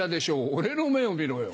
俺の目を診ろよ。